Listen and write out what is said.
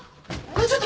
ちょっと！